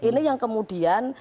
ini yang kemudian